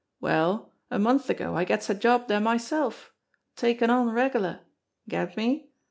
Well, a month ago I gets a job dere myself taken on regu lar. Get me?